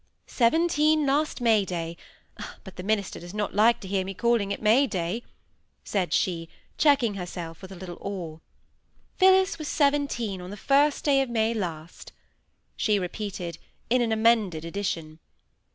"Seventeen last May day; but the minister does not like to hear me calling it May day," said she, checking herself with a little awe. "Phillis was seventeen on the first day of May last," she repeated in an emended edition.